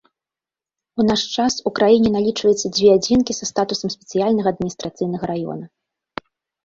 У наш час у краіне налічваецца дзве адзінкі са статусам спецыяльнага адміністрацыйнага раёна.